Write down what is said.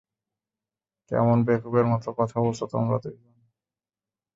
কেমন বেকুবের মতো কথা বলছো তোমরা দুইজন।